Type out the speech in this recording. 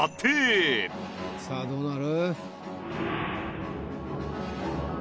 さあどうなる？